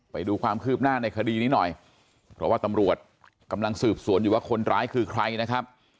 ไปดูความคืบหน้าในคดีนี้หน่อยเพราะว่าตำรวจกำลังสืบสวนอยู่ว่าคนร้ายคือใครนะครับ